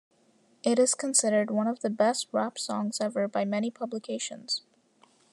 It is considered one of the best rap songs ever by many publications.